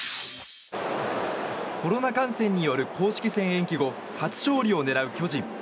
コロナ感染による公式戦延期後初勝利を狙う巨人。